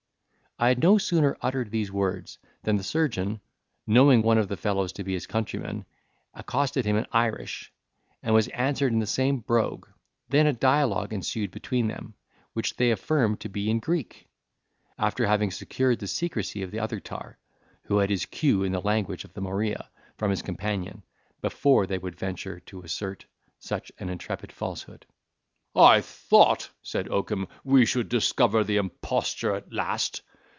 I had no sooner uttered these words than the surgeon, knowing one of the fellows to be his countryman, accosted him in Irish, and was answered in the same brogue; then a dialogue ensued between them, which they affirmed to be in Greek, after having secured the secrecy of the other tar, who had his cue in the language of the Morea, from his companion, before they would venture to assert such an intrepid falsehood. "I thought," said Oakum, "we should discover the imposture at last.